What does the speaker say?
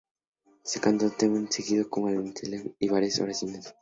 Se cantó el "Te Deum", seguido de una letanía y varias oraciones.